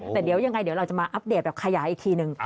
แต่เดี๋ยวยังไงเดี๋ยวเราจะมาอัปเดตแบบขยายอีกทีนึง